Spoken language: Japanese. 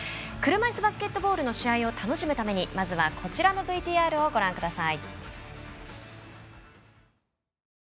車いすバスケットボールの試合を楽しむためにまずはこちらのＶＴＲをご覧ください。